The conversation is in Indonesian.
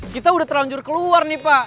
kita udah terlanjur keluar nih pak